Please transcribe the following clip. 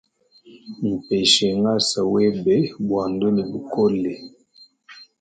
Mpeshe ngasa webe bwa ndwe ne bukole.